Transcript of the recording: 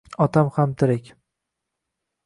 Otam ham tirik.